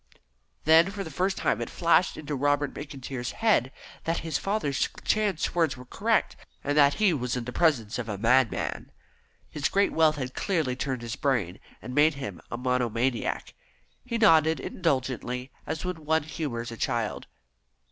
Then for the first time it flashed into Robert McIntyre's head that his father's chance words were correct, and that he was in the presence of a madman. His great wealth had clearly turned his brain, and made him a monomaniac. He nodded indulgently, as when one humours a child.